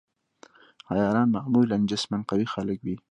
عیاران معمولاً جسماً قوي خلک وي.